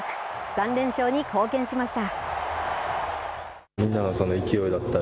３連勝に貢献しました。